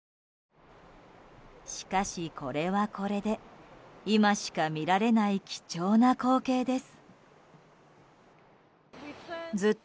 しかし、これはこれで今しか見られない貴重な光景です。